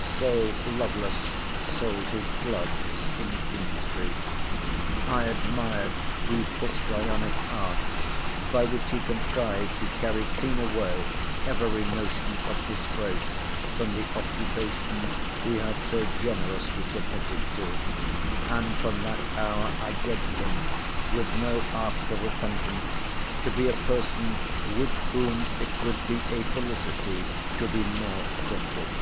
So Lovelace sold his gloves in King Street. I admired the histrionic art, by which he contrived to carry clean away every notion of disgrace, from the occupation he had so generously submitted to; and from that hour I judged him, with no after repentance, to be a person, with whom it would be a felicity to be more acquainted.